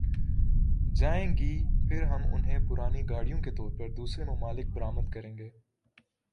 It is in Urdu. جائیں گی پھر ہم انہیں پرانی گاڑیوں کے طور پر دوسرے ممالک برآمد کریں گئے